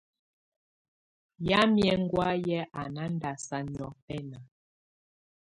Yamɛ̀́á ɛŋgɔ̀áyɛ̀ à na ndàsaa niɔ̀fɛna.